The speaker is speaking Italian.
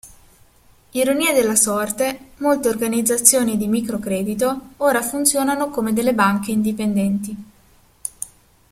Ironia della sorte, molte organizzazioni di microcredito ora funzionano come delle banche indipendenti.